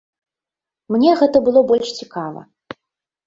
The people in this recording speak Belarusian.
Мне гэта было больш цікава.